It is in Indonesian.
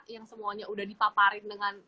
yang semuanya udah dipaparin dengan